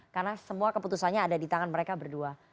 karena semua keputusannya ada di tangan mereka berdua